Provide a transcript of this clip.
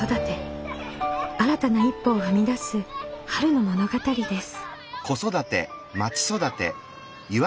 新たな一歩を踏み出す春の物語です。